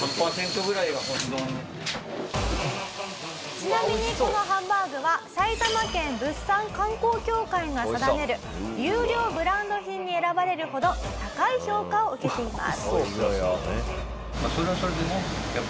ちなみにこのハンバーグは埼玉県物産観光協会が定める優良ブランド品に選ばれるほど高い評価を受けています。